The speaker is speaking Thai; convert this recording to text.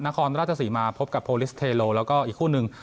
นครราชสีมาพบกับโพลิสเทโลแล้วก็อีกคู่หนึ่ง